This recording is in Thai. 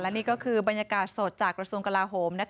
นี่ก็คือบรรยากาศสดจากกระทรวงกลาโหม